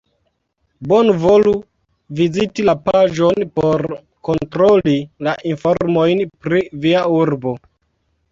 Bonvolu viziti la paĝon por kontroli la informojn pri via urbo.